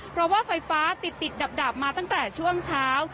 เพราะว่าไฟฟ้าติดดับมาตั้งแต่ช่วงเช้า